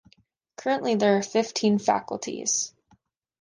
Currently there are fifteen faculties.